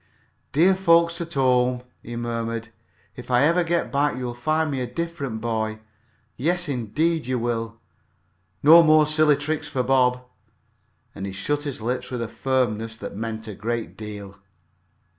"Dear folks at home!" he murmured. "If I ever get back you'll find me a different boy, yes, indeed, you will! No more silly tricks for Bob!" And he shut his lips with a firmness that meant a great deal.